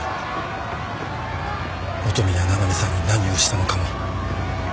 元宮七海さんに何をしたのかも。